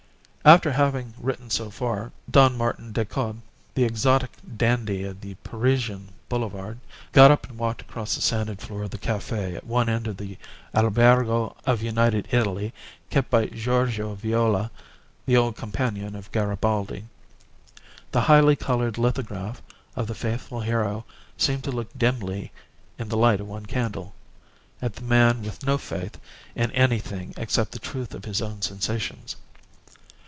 After having written so far, Don Martin Decoud, the exotic dandy of the Parisian boulevard, got up and walked across the sanded floor of the cafe at one end of the Albergo of United Italy, kept by Giorgio Viola, the old companion of Garibaldi. The highly coloured lithograph of the Faithful Hero seemed to look dimly, in the light of one candle, at the man with no faith in anything except the truth of his own sensations.